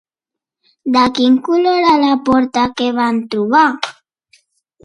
De quin color era la porta que van trobar?